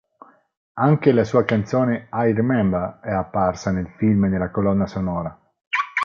Anche la sua canzone "I Remember" è apparsa nel film e nella colonna sonora.